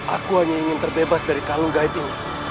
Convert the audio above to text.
aku hanya ingin terbebas dari kalung gaib ini